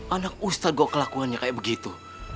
anak ustadz kok kelakuan kayak begitu